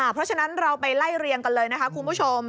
เพราะฉะนั้นเราไปไล่เรียงกันเลยนะคะคุณผู้ชม